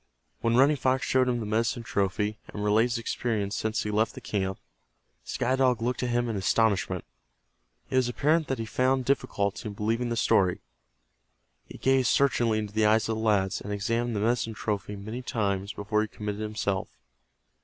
When Running Fox showed him the medicine trophy, and related his experiences since he left the camp, Sky Dog looked at him in astonishment. It was apparent that he found difficulty in believing the story. He gazed searchingly into the eyes of the lad, and examined the medicine trophy many times before he committed himself.